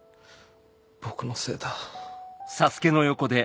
僕のせいだ。